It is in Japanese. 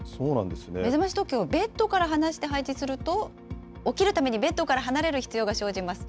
目覚まし時計をベッドから離して配置すると、起きるためにベッドから離れる必要が生じます。